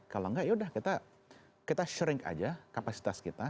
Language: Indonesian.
kalau enggak yaudah kita sharing aja kapasitas kita